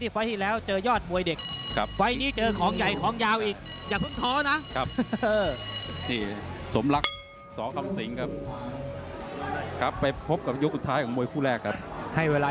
พี่แดงก็พยายามแท้งเข่าโต้คืน